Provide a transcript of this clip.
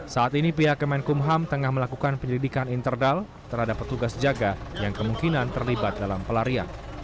saat ini pihak kemenkumham tengah melakukan penyelidikan internal terhadap petugas jaga yang kemungkinan terlibat dalam pelarian